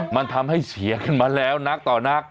มันทำให้เสียกันมาแล้วนักต่อนัก